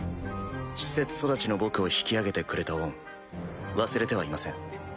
施設育ちの僕を引き揚げてくれた恩忘れてはいません。